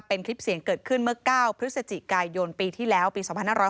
เป็นคลิปเสียงเกิดขึ้นเมื่อ๙พฤศจิกายนปีที่แล้วปี๒๕๖๐